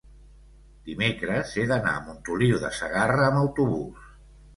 dimecres he d'anar a Montoliu de Segarra amb autobús.